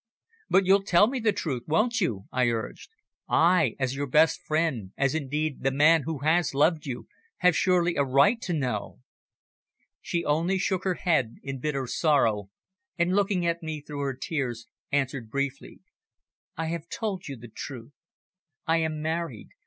"But you'll tell me the truth, won't you?" I urged. "I, as your best friend, as indeed the man who has loved you, have surely a right to know!" She only shook her head in bitter sorrow, and looking at me through her tears, answered briefly "I have told you the truth. I am married.